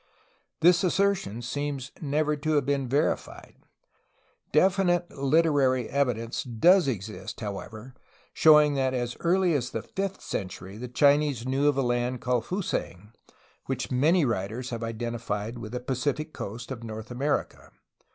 This assertion seems never to have been verified. Definite literary evidence does exist, however, showing that as early as the fifth cen tury the Chinese knew of a land called Fusang, which many writers have identified with the Pacific coast of North America.